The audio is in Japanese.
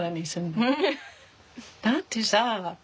だってさ